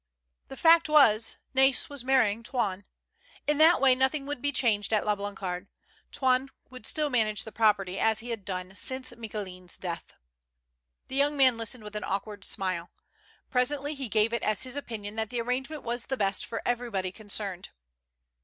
The fact was Nai's was marrying Toine. In that way nothing would be changed at La Blancarde. Toine would still manage the property, as he had done since Micoulin's death. The young man listened with an awkward smile. Presently he gave it as his opinion that the arrange ment was the best one for everybody concerned.